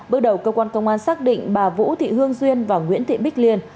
bước đầu cơ quan công an xác định bà vũ thị hương duyên và nguyễn thị bích liên